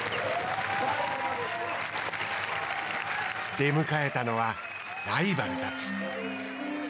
出迎えたのは、ライバルたち。